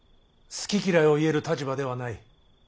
好き嫌いを言える立場ではない。